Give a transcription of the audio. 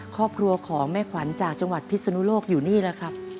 ครอบครัวของแม่ขวัญจากจังหวัดพิศนุโลกอยู่นี่แหละครับ